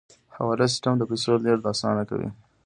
حواله سیستم د پیسو لیږد اسانه کوي